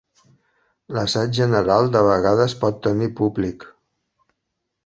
L'assaig general de vegades pot tenir públic.